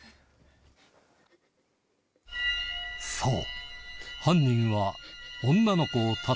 そう！